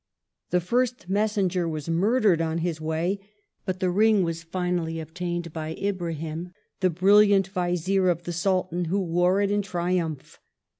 The first messenger was murdered on his way ; but the ring was finally obtained by Ibrahim, the brilliant Vizier of the Sultan, who wore it in triumph.